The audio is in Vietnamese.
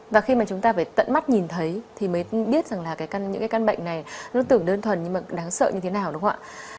và khi mà chúng ta phải tận mắt nhìn thấy thì mới biết rằng là những cái căn bệnh này nó tưởng đơn thuần nhưng mà đáng sợ như thế nào đúng không ạ